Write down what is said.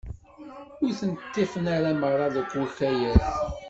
Ur ten-ṭṭifen ara merra deg ukayad.